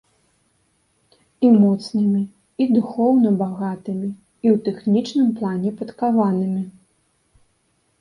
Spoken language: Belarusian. І моцнымі, і духоўна багатымі, і ў тэхнічным плане падкаванымі.